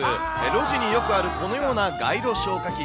路地によくあるこのような街路消火器。